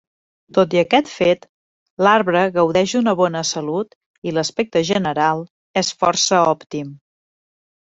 Tot i aquest fet, l'arbre gaudeix d'una bona salut i l'aspecte general és força òptim.